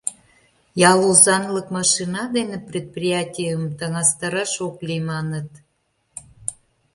— Ял озанлык машина дене предприятийым таҥастараш ок лий, — маныт.